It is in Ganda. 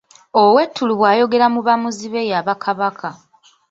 Ow’ettulu bw’ayogerera mu bamuzibe y’aba Kabaka.